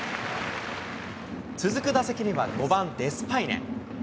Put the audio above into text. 続く打席には５番デスパイネ。